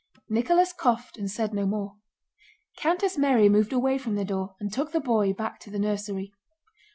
Nicholas coughed and said no more. Countess Mary moved away from the door and took the boy back to the nursery.